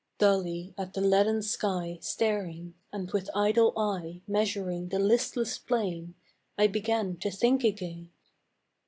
Dully at the leaden sky Staring, and with idle eye Measuring the listless plain, I began to think again.